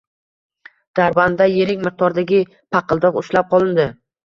"Darband"da yirik miqdordagi paqildoq ushlab qolindi